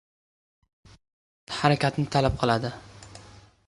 Hayot harakatni talab qiladi.